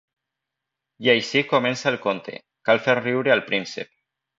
I així comença el conte, cal fer riure el príncep.